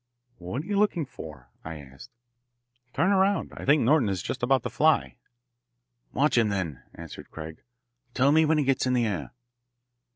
"What are you looking for?" I asked. "Turn around. I think Norton is just about to fly." "Watch him then," answered Craig. "Tell me when he gets in the air."